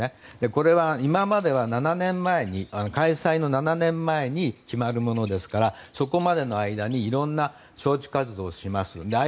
これは今までは、開催の７年前に決まるものですからそこまでの間にいろんな招致活動をします。